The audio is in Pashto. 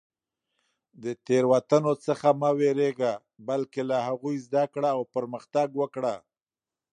د تېروتنو څخه مه وېرېږه، بلکې له هغوی زده کړه او پرمختګ وکړه.